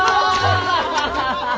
アハハハ！